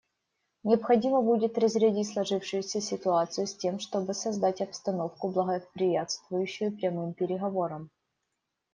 Необходимо будет разрядить сложившуюся ситуацию, с тем чтобы создать обстановку, благоприятствующую прямым переговорам.